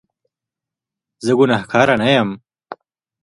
زه ګناکاره نه یم